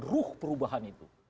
ruh perubahan itu